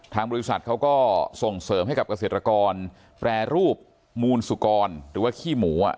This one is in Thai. บริษัทเขาก็ส่งเสริมให้กับเกษตรกรแปรรูปมูลสุกรหรือว่าขี้หมู